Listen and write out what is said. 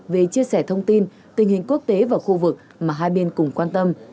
về chia sẻ thông tin tình hình quốc tế và khu vực mà hai bên cùng quan tâm